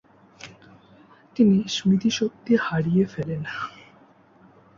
তিনি স্মৃতিশক্তিও হারিয়ে ফেলেন।